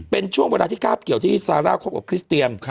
เป็นช่วงเวลาที่คาบเกี่ยวที่ซาร่าคบกับคริสเตียม